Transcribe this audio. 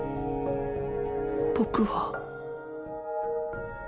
僕は